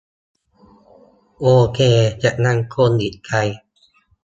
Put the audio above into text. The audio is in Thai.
โอเค แต่คงอีกไกล